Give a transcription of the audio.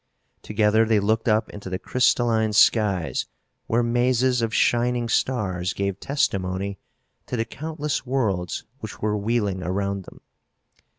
Together they looked up into the crystalline skies, where mazes of shining stars gave testimony to the countless worlds which were wheeling around them.